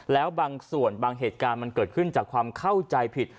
แล้วบางส่วนบางเหตุการณ์มันเกิดขึ้นจากความเข้าใจผิด